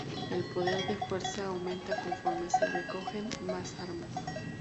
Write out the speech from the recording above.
El poder de "Fuerza" aumenta conforme se recogen más armas.